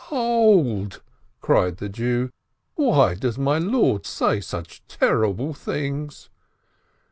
"Hold !" cried the Jew. "Why does my lord say such terrible things